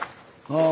ああ。